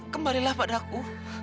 kembarilah pada aku